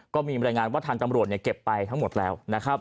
ก็มีบรรยายงานวัฒนาจำรวจเก็บไปทั้งหมดแล้ว